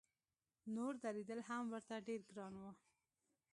نور درېدل هم ورته ډېر ګران و.